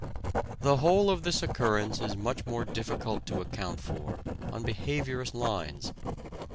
The whole of this occurrence is much more difficult to account for on behaviourist lines.